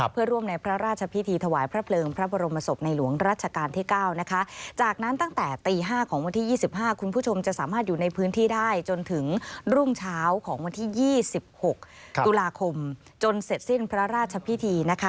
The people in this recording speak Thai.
เพื่อร่วมในพระราชพิธีถวายพระเพลิงพระบรมศพในหลวงรัชกาลที่๙นะคะจากนั้นตั้งแต่ตี๕ของวันที่๒๕คุณผู้ชมจะสามารถอยู่ในพื้นที่ได้จนถึงรุ่งเช้าของวันที่๒๖ตุลาคมจนเสร็จสิ้นพระราชพิธีนะคะ